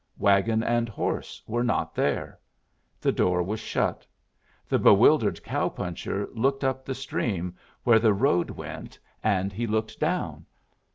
Wagon and horse were not there. The door was shut. The bewildered cow puncher looked up the stream where the road went, and he looked down.